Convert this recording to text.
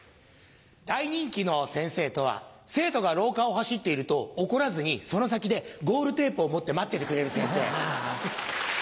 大人気の先生とは生徒が廊下を走っていると怒らずにその先でゴールテープを持って待っててくれる先生。